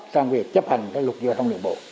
sang việc chấp hành cái lục giao thông đường bộ